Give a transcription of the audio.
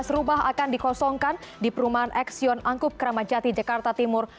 tujuh belas rumah akan dikosongkan di perumahan eksion angkub kramacati jakarta timur